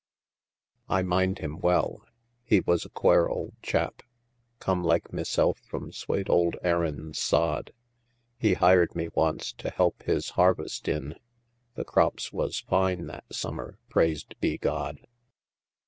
I mind him well, he was a quare ould chap, Come like meself from swate ould Erin's sod, He hired me wanst to help his harvest in; The crops was fine that summer, prais'd be God!